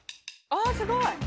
あすごい。